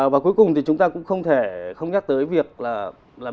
và cuối cùng thì chúng ta cũng không thể không nhắc tới việc là